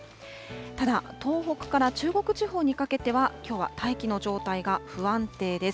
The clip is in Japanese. ただ東北から中国地方にかけては、きょうは大気の状態が不安定です。